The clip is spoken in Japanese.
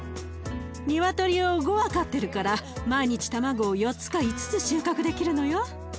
ニワトリを５羽飼ってるから毎日卵を４つか５つ収穫できるのよ。